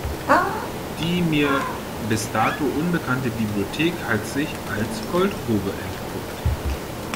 Die mir bis dato unbekannte Bibliothek hat sich als Goldgrube entpuppt.